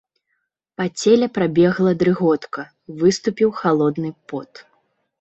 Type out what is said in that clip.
Па целе прабегла дрыготка, выступіў халодны пот.